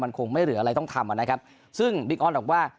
คงไม่เหลืออะไรต้องทำนะครับซึ่งบิ๊กออสบอกว่า